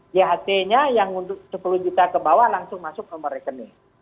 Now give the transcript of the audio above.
ght nya yang sepuluh juta kebawah langsung masuk nomor rekening